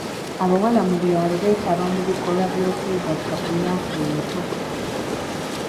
Abawala mu byalo beetaba mu bikolwa by'okwegatta ku myaka emito.